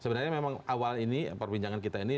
sebenarnya memang awal ini perbincangan kita ini